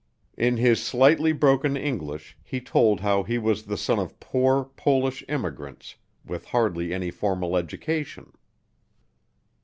In his slightly broken English he told how he was the son of poor, Polish immigrants with hardly any formal education.